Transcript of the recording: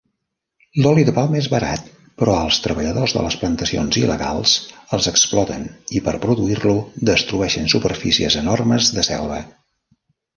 L'oli de palma és barat, però als treballadors de les plantacions il·legals els exploten i per produir-lo destrueixen superfícies enormes de selva.